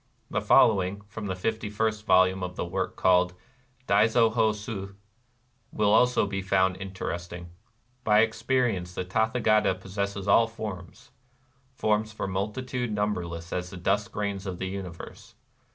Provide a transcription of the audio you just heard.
The following", from the fifty first vol ume of the work called Daizo ho su will also be found inter esting :—" By experience the Tathagata possesses all forms, — forms for multitude numberless as the dust grains of the universe.